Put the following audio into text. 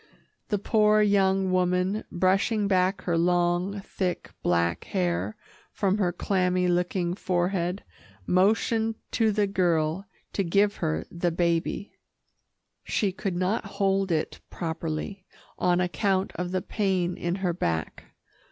The poor young woman, brushing back her long, thick, black hair from her clammy looking forehead, motioned to the girl to give her the baby. She could not hold it properly, on account of the pain in her back.